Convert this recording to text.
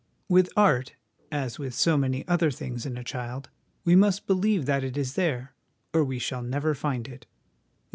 With art, as with so many other things in a child, we must believe that it is there, or we shall never find it.